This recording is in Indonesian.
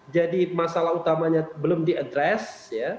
jadi masalah utamanya belum di address